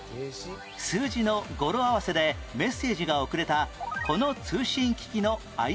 数字の語呂合わせでメッセージが送れたこの通信機器の愛称は？